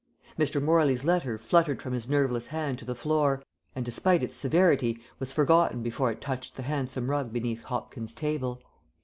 Mr. Morley's letter fluttered from his nerveless hand to the floor, and, despite its severity, was forgotten before it touched the handsome rug beneath Hopkins' table.